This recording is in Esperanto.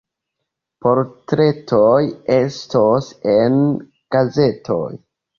Portretoj estos en gazetoj.